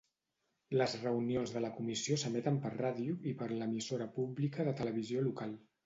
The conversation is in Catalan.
Les reunions de la Comissió s'emeten per radio i per l'emissora pública de televisió local.